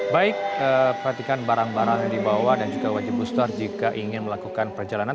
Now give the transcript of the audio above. baik perhatikan barang barang dibawa dan juga wajib booster jika ingin melakukan perjalanan